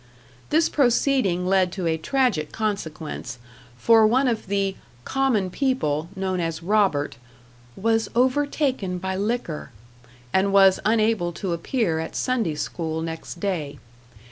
This proceeding led to a tragic consequence, for one of the "common people," known as Robert, "was overtaken by liquor," and was unable to appear at Sunday School next day.